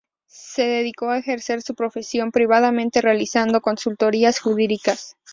Se dedicó a ejercer su profesión privadamente, realizando consultorías jurídicas.